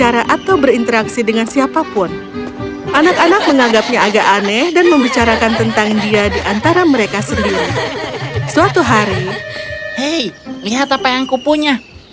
hei melihat apa yang kupunya